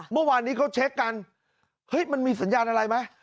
เมื่อวานนี้เขาเช็คกันเฮ้ยมันมีสัญญาณอะไรไหม